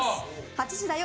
「８時だョ！